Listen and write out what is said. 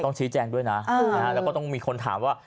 ชี้แจงด้วยนะแล้วก็ต้องมีคนถามว่า